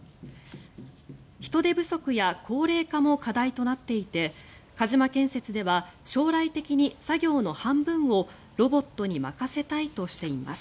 人手不足や高齢化も課題となっていて鹿島建設では将来的に作業の半分をロボットに任せたいとしています。